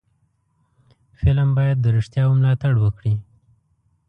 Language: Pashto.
فلم باید د رښتیاو ملاتړ وکړي